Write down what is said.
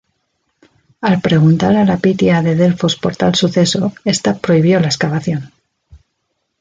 Al preguntar a la pitia de Delfos por tal suceso esta prohibió la excavación.